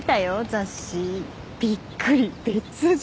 雑誌びっくり別人